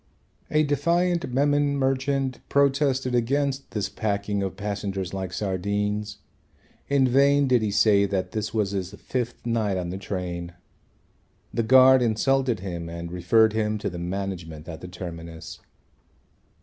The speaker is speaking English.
A defiant Memon merchant protested against this packing of passengers like sardines. In vain did he say that this was his fifth night on the train. The guard insulted him and referred him to the management at the terminus.